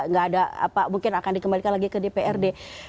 nggak ada apa mungkin akan dikembalikan lagi ke dprd